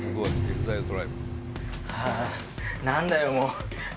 はぁ何だよもう！